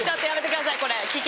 これ危険。